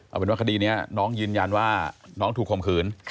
เอาเป็นว่าคดีนี้น้องยืนยันว่าน้องถูกคมขืน